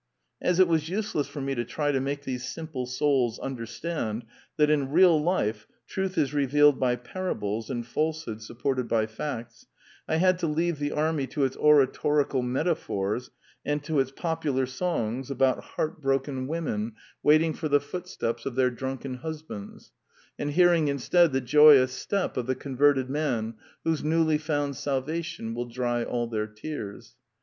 As it was useless for me to try to make these simple souls understand that in real life truth is revealed by parables and falsehood supported by facts, I had to leave the army to its oratorical metaphors and to its popular songs about heartbroken 238 The Quintessence of Ibsenism women waiting for the footsteps of their drunken husbands, and hearing instead the joyous step of the converted man whose newly found salva tion will dry all their tears.